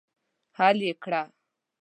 حل یې کړه.